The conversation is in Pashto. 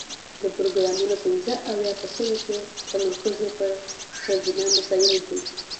د پروګرامونو پنځه اویا په سلو کې تمرکز یې پر ښځینه مسایلو دی.